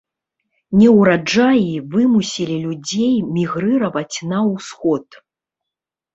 Неўраджаі вымусілі людзей мігрыраваць на ўсход.